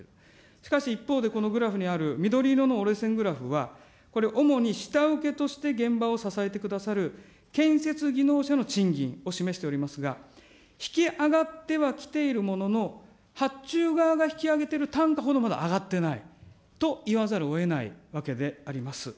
しかし一方でこのグラフにある緑色の折れ線グラフは、これ、主に下請けとして現場を支えてくださる建設技能者の賃金を示しておりますが、引き上がってはきているものの、発注側が引き上げてる単価ほどまだ上がってないと言わざるをえないわけであります。